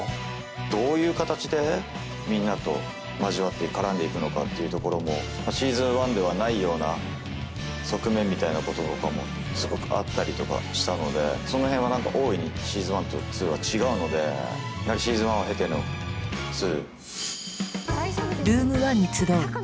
どういう形でみんなと交わって絡んでいくのかっていうところも「Ｓｅａｓｏｎ１」ではないような側面みたいなこととかもすごくあったりとかしたのでその辺は何か大いに「Ｓｅａｓｏｎ１」と「２」は違うのでやはり「Ｓｅａｓｏｎ１」を経ての「２」。